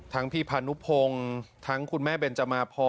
พี่พานุพงศ์ทั้งคุณแม่เบนจมาพร